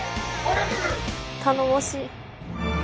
頼もしい。